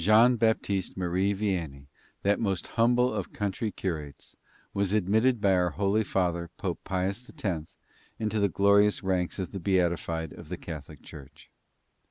ON January 8, 1905, John Baptist Marie Vianney, that most humble of country curates, was admitted by our Holy Father, Pope Pius X, into the glorious ranks of the beatified of the Catholic Church.